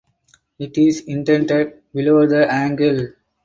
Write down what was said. It is indented below the angle.